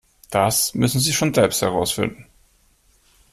Das müssen Sie schon selbst herausfinden.